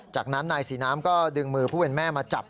จากนั้นนายศรีน้ำก็ดึงมือผู้เป็นแม่มาจับ